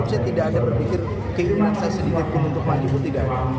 saya tidak ada berpikir keinginan saya sedikit pun untuk maju dalam